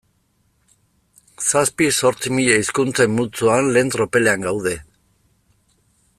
Zazpi-zortzi mila hizkuntzen multzoan lehen tropelean gaude.